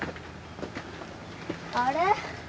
あれ？